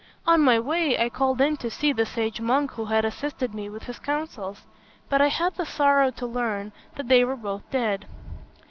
On my way, I called in to see the sage monk who had assisted me with his counsels; but I had the sorrow to learn that they were both dead.